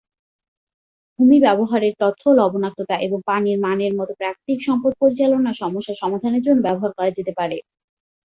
ভূমি ব্যবহারের তথ্য লবণাক্ততা এবং পানির মানের মতো প্রাকৃতিক সম্পদ পরিচালনার সমস্যার সমাধানের জন্য ব্যবহার করা যেতে পারে।